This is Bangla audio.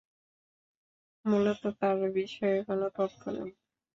মুলত তার বিষয়ে কোনো তথ্য নেই।